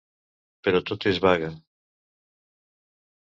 Però tot és vague.